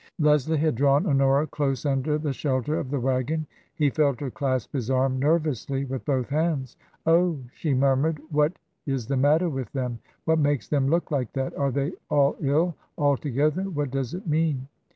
Leslie had drawn Honora close under the shelter of the waggon ; he felt her clasp his arm nervously with both hands. •" Oh !" she murmured, " zvAatis the matter with them ? What makes them look like that ? Are they all ill ?— all together ? What does it mean